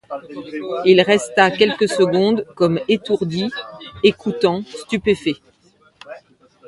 Il resta quelques secondes comme étourdi ; écoutant, stupéfait.